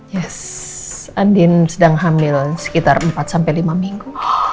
yes andin sedang hamil sekitar empat sampai lima minggu